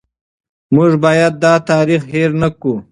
موږ باید دا تاریخ هېر نه کړو.